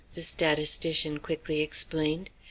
the statistician quickly explained.